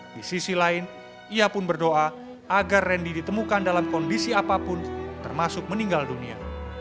di sisi lain ia pun berdoa agar randy ditemukan dalam kondisi apapun termasuk meninggal dunia